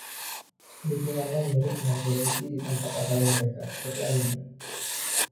Lingkungannya mirip dengan kondisi di tempat asal mereka Skotlandia.